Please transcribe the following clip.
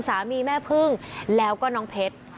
แม่พึ่งแล้วก็น้องเพชร